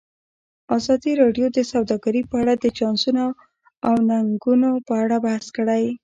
ازادي راډیو د سوداګري په اړه د چانسونو او ننګونو په اړه بحث کړی.